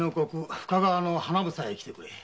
深川の「花房」へ来てくれ。